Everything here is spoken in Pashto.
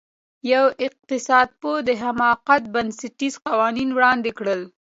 یوه اقتصادپوه د حماقت بنسټیز قوانین وړاندې کړل.